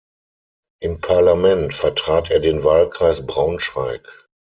Im Parlament vertrat er den Wahlkreis Braunschweig.